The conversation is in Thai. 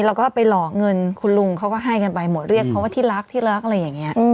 แล้วก็ไปหลอกเงินคุณลุงเขาก็ให้กันไปหมดเรียกเขาว่าที่รักที่รักอะไรอย่างนี้